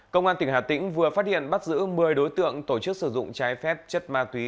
công an tỉnh hà tĩnh vừa phát hiện bắt giữ một mươi đối tượng tổ chức sử dụng trái phép chất ma túy